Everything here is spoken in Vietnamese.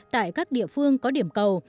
tại các địa phương có điểm cầu